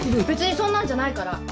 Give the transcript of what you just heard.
別にそんなんじゃないから。